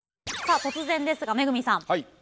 突然ですが恵さん。